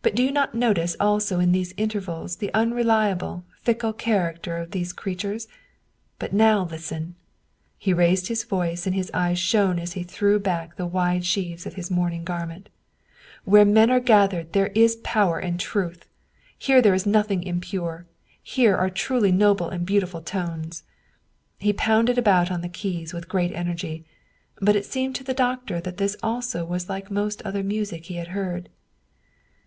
But do you not notice also in these intervals the unreliable, fickle character of these crea tures? But now listen " He raised his voice and his eyes shone as he threw back the wide sleeves of his mourning garment "Where men are gathered, there is power and truth ! Here there is nothing impure, here are truly noble and beautiful tones !" He pounded about on the keys with great energy, but it seemed to the doctor that this also was like most other music he had heard.